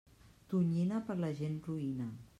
Tonyina, per la gent roïna.